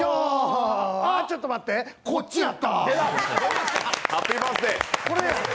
あっ、ちょっと待って、こっちやった。